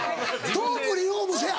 トークリフォームせぇ！